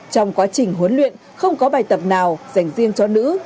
trong quá trình huấn luyện không có bài tập nào dành riêng cho nữ